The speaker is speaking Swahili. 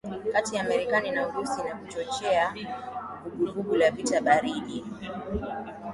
Kati ya Marekani na Urusi na kuchochea vuguvugu la vita baridi